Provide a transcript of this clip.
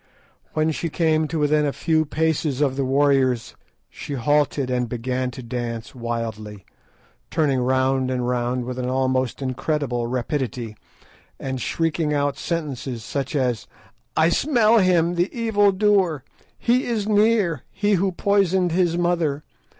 When she came to within a few paces of the warriors she halted and began to dance wildly, turning round and round with an almost incredible rapidity, and shrieking out sentences such as "I smell him, the evil doer!" "He is near, he who poisoned his mother!"